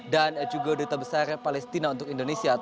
dan juga duta besar palestina untuk indonesia